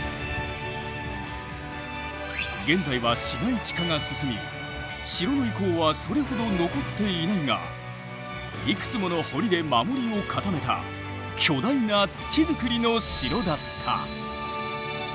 現在は市街地化が進み城の遺構はそれほど残っていないがいくつもの堀で守りを固めた巨大な土づくりの城だった。